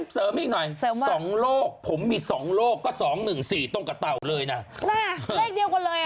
อธิบายเสริมอีกหน่อย